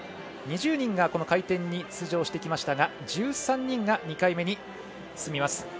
２０人がこの回転に出場してきましたが１３人が２回目に進みます。